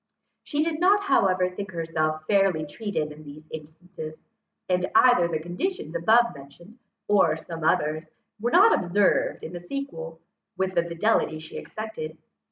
She did not however think herself fairly treated in these instances, and either the conditions abovementioned, or some others, were not observed in the sequel, with the fidelity she expected.